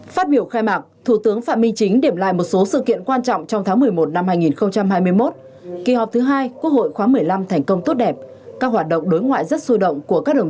phát biểu khai mạng thủ tướng phạm minh chính đề cập tất cả những nhiệm vụ giải pháp chủ yếu và dự toán ngân sách nhà nước năm hai nghìn hai mươi hai